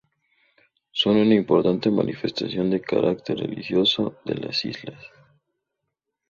Son una importante manifestación de carácter religioso de las islas.